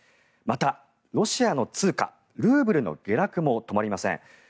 また、ロシアの通貨・ルーブルの下落も止まりません。